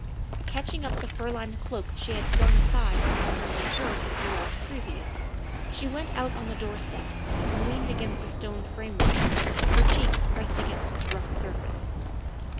Catching up the fur lined cloak she had flung aside upon her return a few hours previous she went out on the doorstep and leaned against the stone framework, her cheek pressed against its rough surface.